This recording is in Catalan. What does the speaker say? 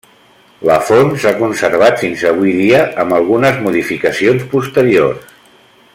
La font s'ha conservat fins avui dia amb algunes modificacions posteriors.